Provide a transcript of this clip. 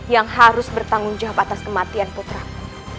yang harus bertanggung jawab atas kematian putraku